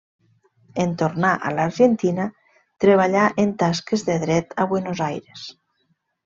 En tornar a l'Argentina treballà en tasques de Dret a Buenos Aires.